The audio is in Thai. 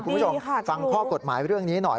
คุณผู้ชมฟังข้อกฎหมายเรื่องนี้หน่อย